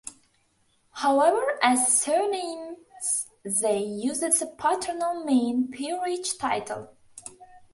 However, as surnames, they used the paternal main peerage title.